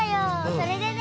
それでね。